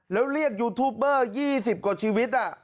แล้วเรียกยูทูปเบอร์๒๐กว่าชีวิต